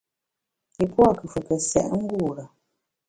Yi pua’ nkùfùke sèt ngure.